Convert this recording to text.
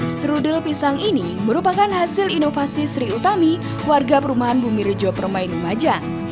strudel pisang ini merupakan hasil inovasi sri utami warga perumahan bumi rejo permain lumajang